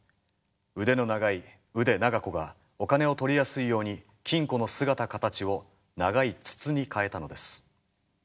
腕の長い腕長子がお金を取りやすいように金庫の姿形を長い筒に変えたのです。